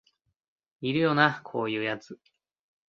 いるよなこういうやつ